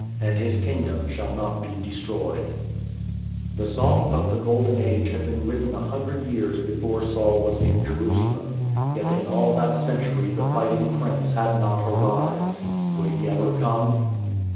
And his Kingdom shall not be destroyed." 58 IN TRAINING The song of the Golden Age had been written a hundred years before Saul was in Jerusalem. Yet in all that century the Fighting Prince had not arrived. Would he ever come?